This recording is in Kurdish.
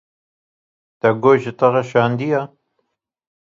Te got ji te re şandiye?